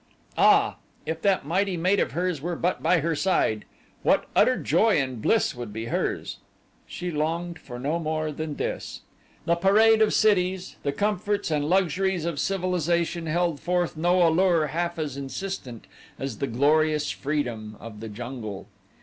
Ah, if that mighty mate of hers were but by her side! What utter joy and bliss would be hers! She longed for no more than this. The parade of cities, the comforts and luxuries of civilization held forth no allure half as insistent as the glorious freedom of the jungle.